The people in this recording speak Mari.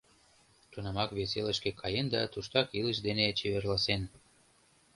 Тунамак вес элышке каен да туштак илыш дене чеверласен.